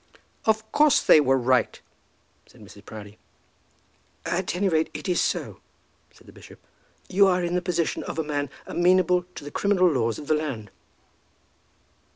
"Of course they were right," said Mrs. Proudie. "At any rate it is so," said the bishop. "You are in the position of a man amenable to the criminal laws of the land."